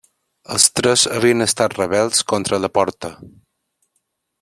Els tres havien estat rebels contra la Porta.